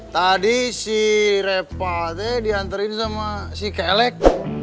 tadi si reva deh dihantarin sama si kelek